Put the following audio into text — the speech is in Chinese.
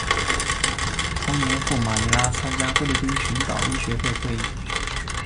同年赴马尼拉参加菲律宾群岛医学会会议。